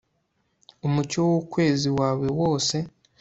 Umucyo w ukwezi wawe wose